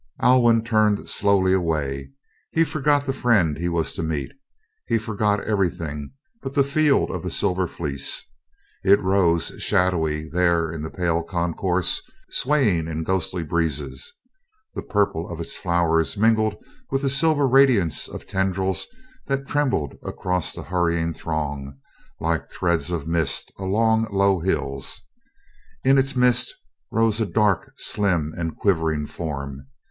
Alwyn turned slowly away. He forgot the friend he was to meet. He forgot everything but the field of the Silver Fleece. It rose shadowy there in the pale concourse, swaying in ghostly breezes. The purple of its flowers mingled with the silver radiance of tendrils that trembled across the hurrying throng, like threads of mists along low hills. In its midst rose a dark, slim, and quivering form.